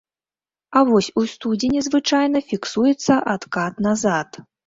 А вось у студзені звычайна фіксуецца адкат назад.